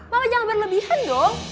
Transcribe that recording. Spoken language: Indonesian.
mama jangan berlebihan dong